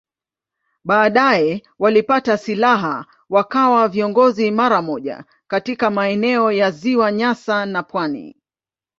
Baadaye walipata silaha wakawa viongozi mara moja katika maeneo ya Ziwa Nyasa na pwani.